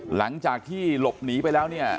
หลังจากที่หลบหนีไปแล้วเนี่ย